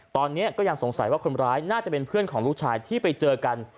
ตอนนี้ก็ยังสงสัยว่าคนร้ายน่าจะเป็นเพื่อนของลูกชายที่ไปเจอกัน